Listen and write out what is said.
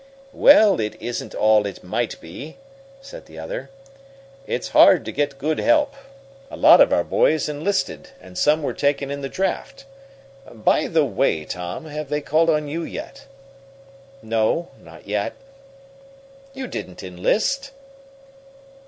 "Well, it isn't all it might be," said the other. "It's hard to get good help. A lot of our boys enlisted, and some were taken in the draft. By the way, Tom, have they called on you yet?" "No. Not yet." "You didn't enlist?"